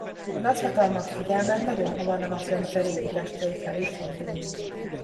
A nagyhatalmak figyelme nagyon hamar a Naprendszer égitestjei felé fordult.